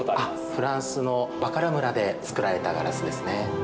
フランスのバカラ村で作られたガラスですね。